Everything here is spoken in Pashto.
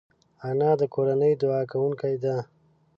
انا د کورنۍ دعا کوونکې ده